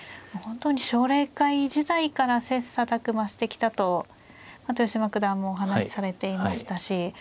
もう本当に奨励会時代から切磋琢磨してきたと豊島九段もお話しされていましたし。